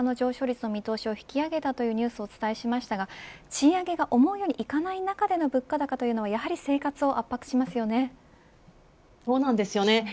先ほど日銀が物価の上昇率の見通しを引き上げたというニュースをお伝えしましたが賃上げが思うようにいかない中での物価高はやはり生活を圧迫しますよね。